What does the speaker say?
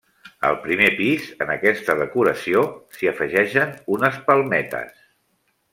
Al primer pis, en aquesta decoració s'hi afegeixen unes palmetes.